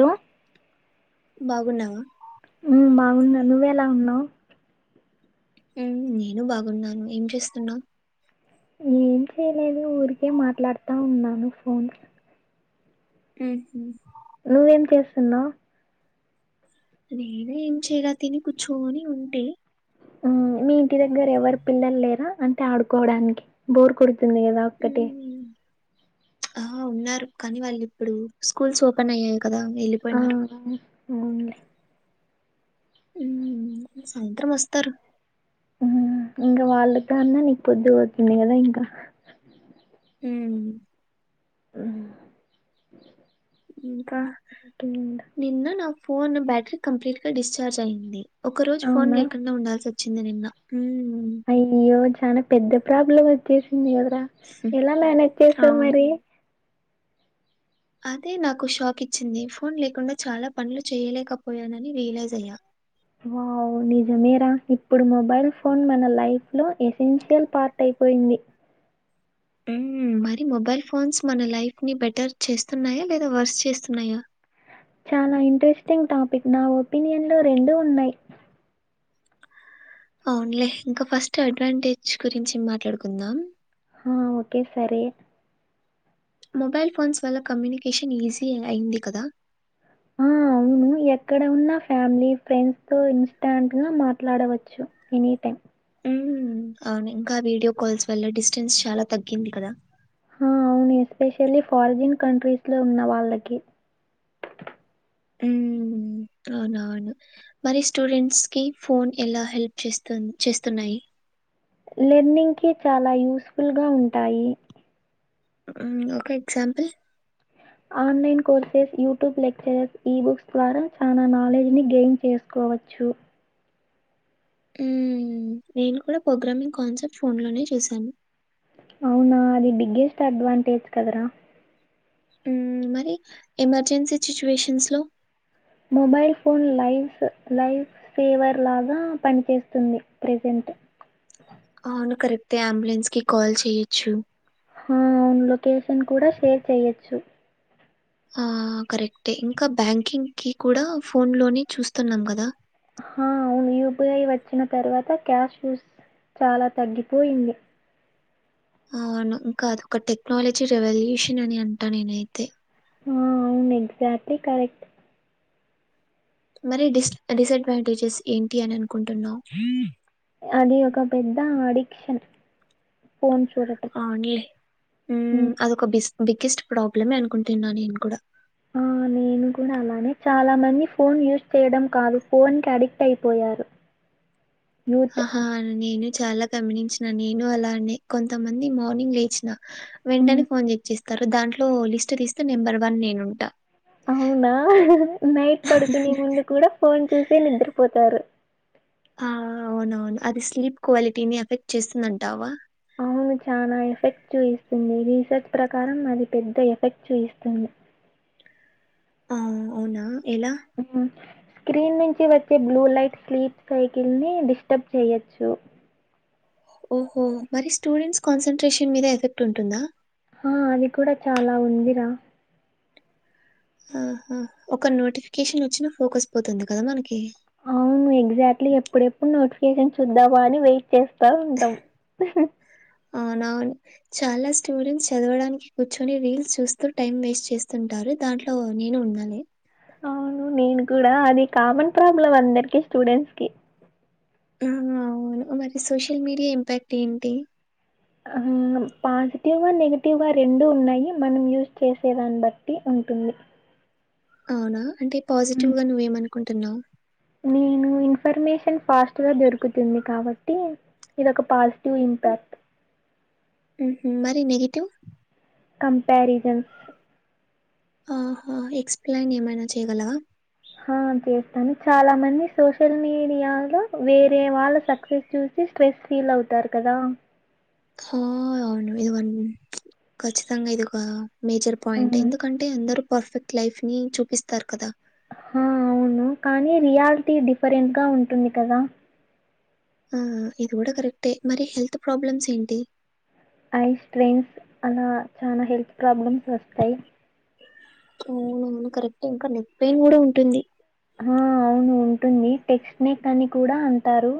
Hello బాగున్నావా? ఉమ్ బాగున్నా, నువ్వ ఎలా ఉన్నావ్? నేను బాగున్నాను, ఏం చేస్తున్నావ్ ఏం చేయలేదు ఊరికే మాట్లాడుతా ఉన్నాను ఫోన్ హ్మ్ నువ్వేం చేసున్నావ్ నేనే ఏం చేయాల తిని కూర్చుని ఉంటే మీ ఇంటి దగ్గర ఎవరు పిల్లలు లేరా అంటే ఆడుకోవడానికి బోర్ కొడు తుంది కదా ఒక్కటే ఉమ్, ఆ ఉన్నారు కానీ వాళ్ళు ఇప్పుడు స్కూల్స్ ఓపెన్ అయ్యాయి కదా ఆ, వెళ్ళిపోయినారు అవునులే సాయంత్రం వస్తారు ఉమ్ ఇంకా వాళ్ళతో అన్నా నీకు పొద్దు పోతుంది కదా ఇంకా ఉమ్ మ్మ్, ఇంకా ఇంకేంటి? నిన్న నా ఫోన్ బ్యాటరీ కంప్లీట్ గా డిశ్చార్జ్ అయింది ఒక రోజు ఫోన్ అవునా లేకుండా ఉండాల్సి వచ్చింది నిన్న అయ్యో చాలా పెద్ద ప్రాబ్లం వచ్చేసింది కదా ఎలా మేనేజ్ చేసావ్ అవును మరి అదే నాకు షాక్ ఇచ్చింది ఫోన్ లేకుండా చాలా పనులు చేయలేకపోయానని రియలైజ్ అయ్యా వావ్ నిజమేరా ఇప్పుడు మొబైల్ ఫోన్ మన లైఫ్ లో ఎసెన్షియల్ పార్ట్ అయిపో యింది అ మరి మొబైల్ ఫోన్స్ మన లైఫ్ ని బెటర్ చేస్తున్నాయా లేదా వర్స్ చేస్తున్నాయా చాలా ఇంట్రెస్టింగ్ టాపిక్ నా ఒపీనియన్ లో రెండు ఉన్నాయి అవునులే ఇంకా ఫస్ట్ అడ్వాంటేజ్ గురించి మాట్లాడుకుందాం ఆ ఓకే సరే మొబైల్ ఫోన్స్ వల్ల కమ్యూనికేషన్ ఈజీ అయింది కదా ఆ మనం ఎక్కడ ఉన్నా ఫ్యామిలీ ఫ్రెండ్స్ తో ఇన్స్టాంట్ గా మాట్లాడవచ్చు ఎనీ టైమ్ అవును ఇంకా వీడియో కాల్స్ వల్ల డిస్టెన్స్ చాలా తగ్గింది కదా ఆ! అవును ఎస్పెషల్లీ ఫారిన్ కంట్రీస్ లో ఉన్న వాళ్ళకి ఉ అవునవును మరి స్టూడెంట్స్ కి ఫోన్ ఎలా హెల్ప్ చేస్తు చేస్తున్నాయి లెర్నింగ్కి చాలా యూస్ఫుల్ గా ఉంటాయి ఉమ్ ఒక example online courses YouTube lecturers ebooks ద్వారా చాలా నాలెడ్జ్ ని గెయిన్ చేసుకో కోవచ్చు నేను కూడా ప్రోగ్రామింగ్ కాన్సెర్ట్ ఫోన్ లోనే చూశాను అవునా అది బిగ్గెస్ట్ అడ్వాంటేజ్ కదరా మరి ఎమర్జెన్సీ సిట్యూషన్స్ లో mobile phone live life saver లాగా పనిచేస్తుంది ప్రజెంట్ టు అవును కరెక్ట్ అంబులెన్స్ కి కాల్ చేయొచ్చు హా అవును లొకేషన్ కూడా షేర్ చెయ్యొచ్చు ఆ కరెక్టే ఇంకా బ్యాంకింగ్ కి కూడా ఫోన్ లోనే చూస్తున్నాం కదా ఆ అవును యూపిఐ వచ్చిన తర్వాత క్యాష్ యూస్ చాలా తగ్గిపోయింది అవును ఇంకా అద ఒక టెక్నాలజీ రెవల్యూషన్ అని అంటా నేనైతే ఆ అవును ఎక్జాక్టలీ కరెక్ట్ మరి డిస్ డిసఅడ్వాంటేజెస్ ఏంటి అని అనుకుంటున్నావు అది ఒక పెద్ద అడిక్షన్ ఫోను చూడటం. అవునులే ఉ హ్మ్. అదొక బిస్ బిగ్గెస్ట్ ప్రాబ్లంనే అనుకుంటున్నా నేను కూడా. ఆ నేను కూడా అలానే, చాలా మంది ఫోన్ యూజ్ చేయడం కాదు ఫోన్ కి అడిక్ట్ అయిపోయారు. అ హా హా అ [unintelligible] నేను చాలా గమనించిన, నేను అలానే కొంతమంది మార్నింగ్ లేచిన. హ్మ్. వెంటనే ఫోన్ చెక్ చేస్తారు దాంట్లో లిస్ట్ తీస్తే నెంబర్ వన్ నేను ఉంటా. అవునా నైట్ పడుకునే ముందు కూడా ఫోన్ చూసే నిద్రపోతారు. హా ఆ ఆ అవునవును అది స్లీప్ క్వాలిటీని ఎఫెక్ట్ చేస్తుందంటావా? అవు చానా ఎఫెక్ట్ చూయిస్తుంది రీసెర్చ్ ప్రకారం అది పెద్ద ఎఫెక్ట్ చూయిస్తుంది. ఆ అవునా ఎలా? ఉ [unintelligible] స్క్రీన్ నుంచి వచ్చే బ్లూ లైట్ స్లీప్ సైకిల్ని డిస్టర్బ్ చేయొచ్చు. ఓహో మరి స్టూడెంట్స్ కాన్సన్ట్రేషన్ మీద ఎఫెక్ట్టుంటుందా. హ అది కూడా చాలా ఉందిరా ఆహా ఒక నోటిఫికేషన్ వచ్చినా ఫోకస్ పోతుంది కదా మనకి? అవును ఎగ్జాట్ ట్లీ ఎప్పుడెప్పుడు నోటిఫికేషన్ చూద్దామ అని వెయిట్ చేస్తా ఉంటాం. అనవును చాలా స్టూడెంట్స్ చదవడానికి కూర్చొని, రీల్స్ చూస్తూ టైమ్ వేస్ట్ చేస్తుంటా. రు దాంట్లో నేను ఉన్నాలే అవును, నేను కూడా అది కామన్ ప్రాబ్లం అందరికి స్టూడెంట్స్ కి. మ్ అవును మరి సోషల్ మీడియా ఇంపాక్ట్ ఏంటి? ఆ పాజిటివ్ గా, నెగిటివ్ గా రెండు ఉన్నాయి మనం యూజ్ చేసేదాన్ని బట్టి ఉ. ఉంటుంది అవునా అంటే పాజిటివ్ హ్మ్. గా నువ్వేమనుకుంటున్నావ్ నేను ఇన్ఫర్మేషన్ ఫాస్ట్ గా దొరుకుతుంది కాబట్టి ఇదొక పాజ్. టివ్ ఇంపాక్ట్ ఉహు మరి నెగిటివ్ కంపారిజన్స్ ఆహా ఎక్సప్లైన్ ఏమైనా చేయగలవా హా చేస్తాను చాలా మంది సోషల్ మీడియాలో, వేరే వాళ్ళ సక్సెస్ చూసి. స్ట్రెస్ ఫీల్ అవుతారు కదా హొ అవును ఇదివన్ ఖచ్చితంగా ఇది ఒక మేజర్ పాయింట్ హ్మ్. ఎందుకంటే? అందరు పర్ఫెక్ట్ లైఫ్ ని చూపిస్తారు కదా! హా అవును కానీ రియాలిటీ డిఫరెంట్ గా ఉంటుంది కదా? ఆ ఇది కూడా కరెక్టే మరి హెల్త్ ప్రాబ్లమ్స్ ఏంటి? ఐస్ స్ట్రెన్స్ అలా చానా హెల్త్ ప్రాబ్లమ్స్ వస్తాయి. వునును కరెక్ట్ ఇంకా నెక్ పెయిన్ కూడా ఉంటుంది. ఆ అవును ఉంటుంది టెక్స్ట్ నెక్ అని కూడా అంటారు.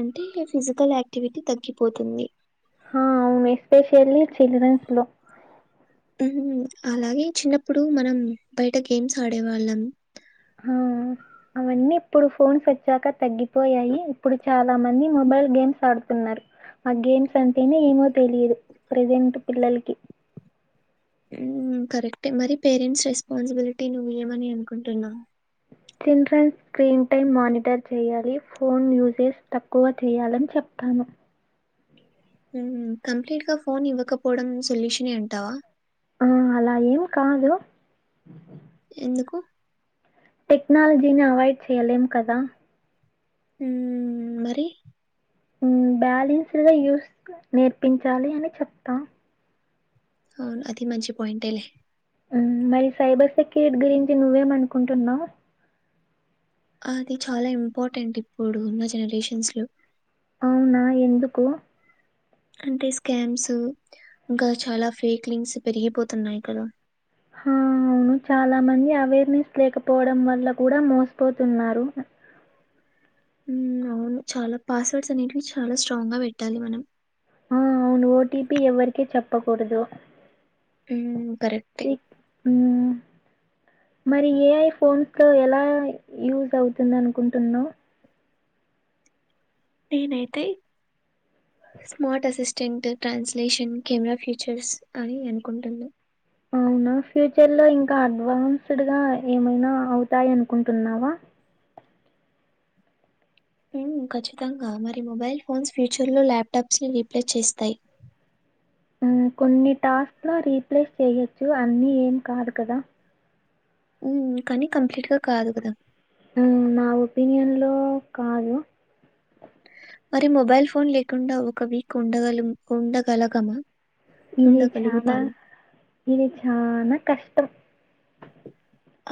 అంటే ఫిజికల్ యాక్టివిటి తగ్గిపోతుంది హా అవును ఎస్పెషల్లీ చిల్డ్రన్స్ లో. మ్మ్ అలాగే చిన్నప్పుడు మనం బయట గేమ్స్ ఆడే వాళ్ళం. ఆ అవన్నీ ఇప్పుడు ఫోన్స్ వచ్చాక తగ్గిపోయాయి, ఇప్పుడు చా. లా మంది మొబైల్ గేమ్స్ ఆడుతున్నారు ఆ గేమ్స్ అంటేనే ఏమో తెలిదు ప్రజెంట్ పిల్లల్కి. మ్మ్ కరెక్టే మరి పేరెంట్స్ రెస్పాన్సిబిలిటి, నువ్వు ఏమని అనుకుంటున్నావు. చిల్డ్రన్ స్క్రీన్ టైమ్ మానిటర్ చెయ్యాలి ఫోన్ యూసేజ్ తక్కువ చెయ్యాలి అని చె ప్తాను ఉహ్మ్ కంప్లీట్‌గా ఫోన్ ఇవ్వకపోవడం సొల్యూషనే అంటావా ఆ అల ఏం కాదు ఎందుకు టెక్నాలజీని అవైడ్ చెయ్యలేం కదా ఉమ్మ్ మరి ఉమ్మ్ బ్యాలెన్సుడ్‌గా యూస్ నేర్పించాలి అని చెప్తా అవును అది మంచి పాయింటెలే ఉమ్మ్ మరి సైబర్ సెక్యూరిటీ గురించి నువ్వేమనుకుంటున్నావ్ అది చాలా ఇంపార్టెంట్ ఇప్పుడు ఉన్న జనరేషన్స్లో అవునా ఎందుకూ అంటె స్కామ్స్ ఇంక చాలా ఫేక్ లింక్స్ పెరిగిపోతున్నాయి కదా హ అవును చాలా మంది అవేర్నెస్ లేకపోవడం వల్ల కూడ మోసపోతున్నారు ఉహ్మ్ అవును చాలా పాస్వర్డ్స్ అనేటివి చాలా స్ట్రాంగ్గా పెట్టాలి మనం ఆ అవును ఓటీపి ఎవరికి చెప్పకూడదు ఉమ్మ్ కరెక్టె ఉమ్మ్ మరి ఏఐ ఫోన్స్‌తో ఎలా యూజ్ అవుతుంది అనుకుంటున్నవు నేనైతే smart assistant translation camera features అని అనుకుంటున్న ఆ అవున ఫ్యూచర్లో ఇంకా అడ్వాన్స్డ్‌గా ఏమైనా అవుతాయనుకుంటున్నావా ఉమ్మ్ ఖచ్చితంగా మరి మొబైల్ ఫోన్స్ ఫ్యూచర్లొ ల్యాప్టాప్స్‌ని రీప్లేస్ చేస్తాయి ఉమ్మ్ కొన్ని టాస్క్లో రీప్లేస్ చెయచ్చు అన్నీ ఏం కాదు కదా ఉమ్మ్ కాని కంప్లీట్గా కాదు కదా ఉమ్మ్ నా ఒపీనియన్లో కాదు మరి మొబైల్ ఫోన్ లేకుండా ఒక వీక్ ఉండగలం ఉండగలగమా ఇది చాలా ఉండగలుగుతామా? ఇది చానా కష్టం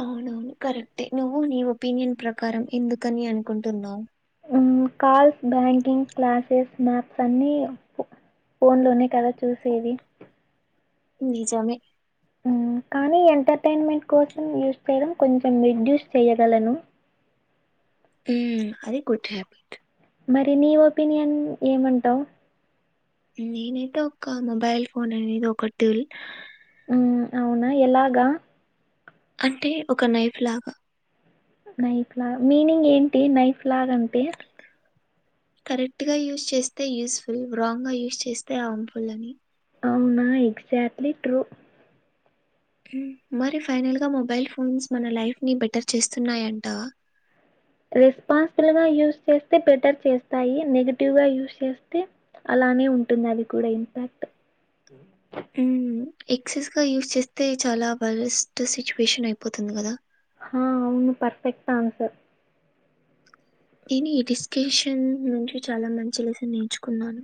అవునవును కరెక్టే నువ్వు నీ ఒపీనియన్ ప్రకారం ఎందుకని అనుకుంటున్నావ్ ఉమ్మ్ కాల్స్ బ్యాంకింగ్ క్లాసెస్ మ్యాప్స్ అన్నీ ఫోన్లోనే కదా చూసేది నిజమే ఉమ్మ్ కానీ ఎంటర్టైన్మెంట్ కోసం యూస్ చేయడం కొంచెం రెడ్యూస్ చేయగలను ఉమ్మ్ అది గుడ్ హ్యాబిట్ మరి నీ ఒపీనియన్ ఏమంటావ్ నేనైతే ఒక మొబైల్ ఫోన్ అనెది ఒక టూల్ ఉమ్మ్ అవునా ఎలాగా అంటే ఒక నైఫ్ లాగా నైఫ్లా మీనింగ్ ఏంటి నైఫ్ లాగా అంటే కరెక్ట్‌గా యూజ్ చేస్తే యూస్ఫుల్ రాంగ్‌గా యూజ్ చేస్తే అంఫుల్ అని అవునా ఎగ్జాక్ట్లీ ట్రు ఉమ్ మరి ఫైనల్ గా మొబైల్ ఫోన్స్ మన లైఫ్ ని బెటర్ చేస్తున్నాయంటావా [unintelligible] రెస్పాన్సిబుల్గా యూస్ చేస్తే బెటర్ చేస్తాయి నెగిటివ్ గా యూస్ చేస్తే అలానె ఉంటుంది అది కూడా ఇంపాక్ట్ ఉమ్ ఎక్సెస్ గా యూస్ చేస్తే చాలా వరస్ట్ సిచ్యుయేషన్ అయిపోతుంది కదా హా అవును పర్ఫెక్ట్ ఆన్సర్ ఈని ఈ డిస్కషన్ నుంచి చాలా మంచి లెసన్ నేర్చుకున్నాను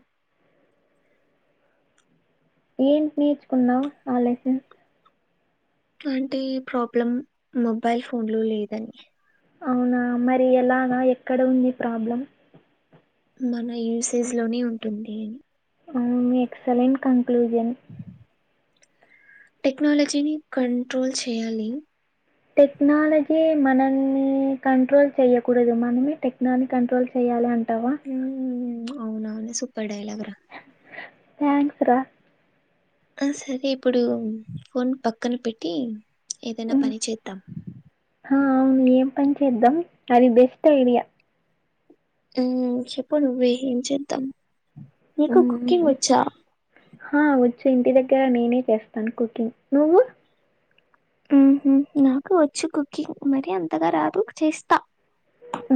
ఏంటి నేర్చుకున్నవ్ ఆ లెసెన్ అంటే ఈ ప్రాబ్లం మొబైల్ ఫోన్ లో లేదని అవునా మరి ఎలానా ఎక్కడ ఉంది ప్రాబ్లం మన యూసేజ్ లోనే ఉంటుంది అని ఉమ్ ఎక్సలెంట్ కంక్లూజన్ టెక్నాలజీని కంట్రోల్ చెయ్యాలి టెక్నాలజీ మనల్ని కంట్రోల్ చెయకూడదు మనమే టెక్నని కంట్రోల్ చెయ్యాలి అం టవా హ్మ్. అవునవును సూపర్ డైలాగా థ్యాంక్స్ రా అ సరే ఇప్పుడు ఫోన్ పక్కన పెట్టి ఏదన్నా పని చేద్దాం ఆ అవును ఏం పని చేద్దాం అది బెస్ట్ ఐడియ ఉమ్ చెప్పు నువ్వే ఏం చేద్దాం మీకు కుకింగ్ ఉమ్, వచ్చా హా వచ్చు ఇంటి దగ్గర నేనే చేస్తాను కుకింగ్ నువ్వు ఉ హు నాకు వచ్చు కుకింగ్ మరి అంతగా రాదు చేస్తా ఊ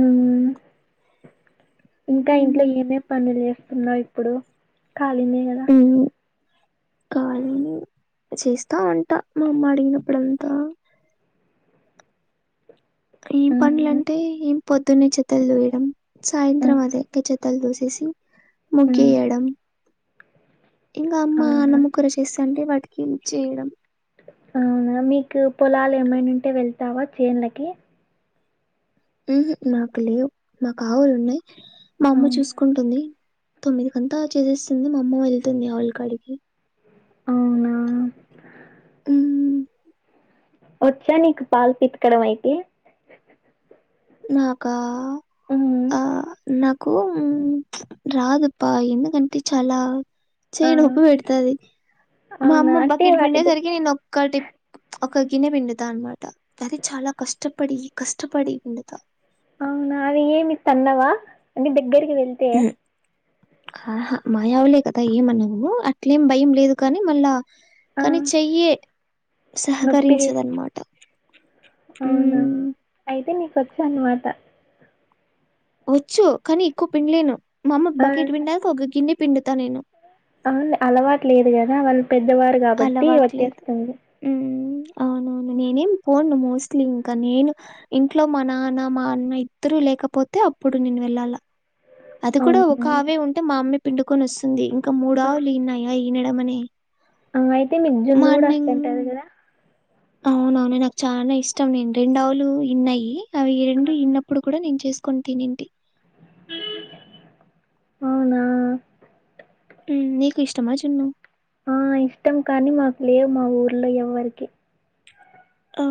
ఇంకా ఇంట్లో హ్మ్. ఏం ఏం పనులు చేస్తున్నావు ఇప్పుడు ఖళీనే కదా కాలినె చేస్తవుంట మా అమ్మ అడిగినప్పుడంతా ఏం హ్మ్ పనులంటే ఎం పొద్దున్నే చెత్తలు దూయడం హ్మ్ సాయంత్రం అదే చెత్తలు దూసేసి హ్మ్ ముగియడం ఇంగ అమ్మ అవునా అన్నము కూర చేస్తా అంటే వాటికి హెల్ప్ చేయడం అవున మీకు పొలాలు ఏమైనా ఉంటే వెళ్తావా చేన్లకి ఉహుమ్ నాకు లేవు మాకు ఆవులు ఉన్నాయి మా అమ్మ అవునా చూసుకుంటుంది తొమ్మిది కంతా చేసేసింది మా అమ్మ వెళ్తుంది ఆవుల కాడికి అవునా ఉమ్ వచ్చా నీకు పాలు పితకడం అయితే నాకా హ్మ్ ఆ న కు రాడుప్ప ఎందుకంటే చాలా ఆ చెయ్యి నొప్పి పెడతది మా అవునా అమ్మ అంటే బకెట్టు వాటి పిండేసరికి దగ్గర నేనోక్కటి ప ఒక గిన్నె పిండుత అన్నమాట అది చాలా కష్టపడి కష్టపడి పిండుత అవునా అది ఏమి తన్నవా అంటే దగ్గరికి వెళ్తే ఉమ్, ఆహా మాయావులే కదా ఏమనవు అట్లేం భయం లేదు కాని మళ్ళ ఆ కాని చెయ్యే నొప్పి తీస్ సహకరించదన్నమాట అవునా ఐ వచ్ అనమాట వచ్చు కానీ ఎక్కువ పిండలేను మా అమ్మ ఆ బకెట్ పిండక ఒక గిన్నె పిండుతా నేను అవున్లె అలవాటు లేదు గదా వాళ్ళు పెద్దవారు కాబట్టి అలవాట్లేదు వచ్చేస్తుంది. ఉమ్, అవునవును నేనేం పోను మోస్ట్లీ ఇంక నేను ఇంట్లో మా నాన్న మా అన్న ఇద్దరు లేకపోతె అప్పుడు నేను వెళ్ళాలా అది కూడా ఒక అవును ఆవే ఉంటే మా అమ్మే పిండుకొని వస్తుంది ఇంకా మూడు ఆ ఆవులు ఈన్నాయా ఈయనడమనే ఆ అయితే మిగ్ జున్న గుడా వస్తుంటది గదా అవునవునె నాకు చానా ఇష్టం రెండ్ రెండ్ ఆవులు ఈన్నాయి అవి రెండు ఈన్నప్పుడు కూడా నేను చేసుకొని తినింటి అవునా ఉమ్ నీకు ఇష్టమా జున్ను ఆ ఇష్టం కానీ మాకు లేవు మా ఊర్ల ఎవ్వరికి ఆ